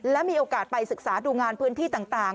และมีโอกาสไปศึกษาดูงานพื้นที่ต่าง